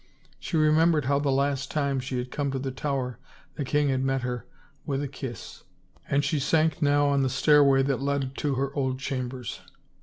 She remembered how the last time she had come to the Tower the king had met her with a kiss and she sank now on the stairway that led to her old chambers.